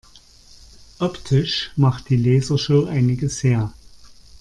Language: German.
Optisch macht die Lasershow einiges her.